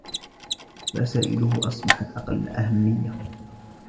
رسائلهُ أصبحت أقل أهمية.